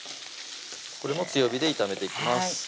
これも強火で炒めていきます